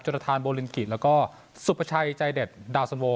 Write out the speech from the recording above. จรฐานโบลินกรีดแล้วก็สุประชายใจเด็ดดาวสันโว